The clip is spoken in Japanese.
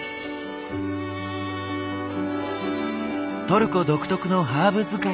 トルコ独特の「ハーブ使い」。